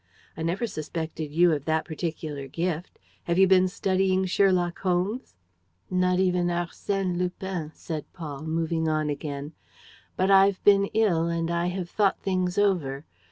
I never suspected you of that particular gift. Have you been studying Sherlock Holmes?" "Not even Arsène Lupin," said Paul, moving on again. "But I've been ill and I have thought things over.